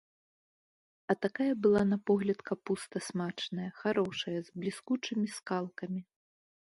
А такая была на погляд капуста смачная, харошая, з бліскучымі скалкамі.